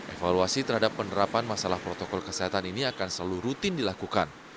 evaluasi terhadap penerapan masalah protokol kesehatan ini akan selalu rutin dilakukan